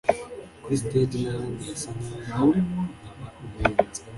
kuri stage n’ahandi hasa nkaho nkaba umuhanzi